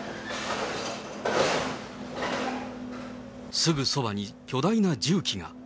すぐそばに巨大な重機が。